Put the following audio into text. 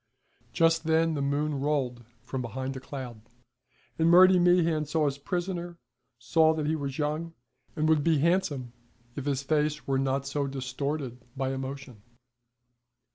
Just then the moon rolled from behind a cloud, and Murty Meehan saw his prisoner, saw that he was young, and would be handsome if his face were not so distorted by emotion.